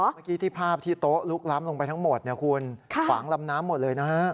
เมื่อกี้ที่ภาพที่โต๊ะลุกล้ำลงไปทั้งหมดฝังลำน้ำหมดเลยนะครับ